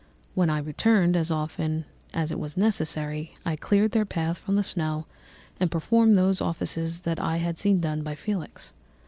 When I returned, as often as it was necessary, I cleared their path from the snow and performed those offices that I had seen done by Felix.